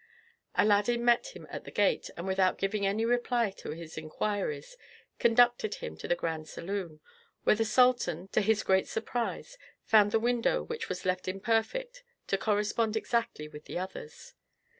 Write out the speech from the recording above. Aladdin met him at the gate, and without giving any reply to his inquiries conducted him to the grand saloon, where the sultan, to his great surprise, found the window which was left imperfect to correspond exactly with the others.